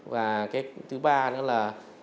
và thứ ba nữa là